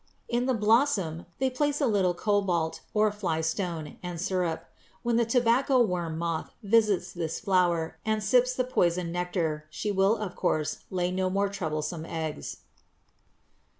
In the blossom they place a little cobalt or "fly stone" and sirup. When the tobacco worm moth visits this flower and sips the poisoned nectar, she will of course lay no more troublesome eggs.